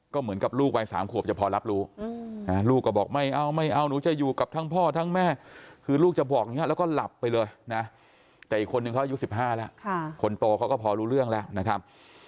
ก็เหมือนกับลูกวัย๓ขวบจะพอรับรู้ลูกก็บอกไม่เอาไม่เอาหนูจะอยู่กับทั้งพ่อทั้งแม่คือลูกจะบอกอย่างนี้แล้วก็หลับไปเลยนะแต่อีกคนนึงเขาอายุ๑๕แล้วคนโตเขาก็พอรู้เรื่องแล้วนะครับ